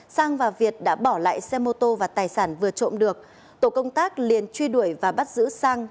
sang và việt đã bỏ lại xe mô tô và tài sản vừa trộm được tổ công tác liền truy đuổi và bắt giữ sang